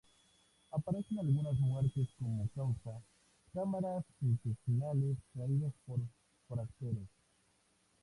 Aparece en algunas muertes como causa "cámaras intestinales traídas por forasteros".